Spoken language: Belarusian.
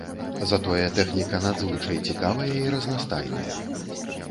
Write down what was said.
Затое тэхніка надзвычай цікавая і разнастайная.